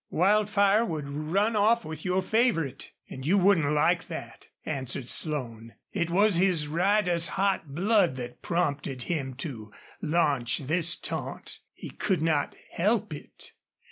"Wildfire would run off with your favorite an' you wouldn't like that," answered Slone. It was his rider's hot blood that prompted him to launch this taunt. He could not help it.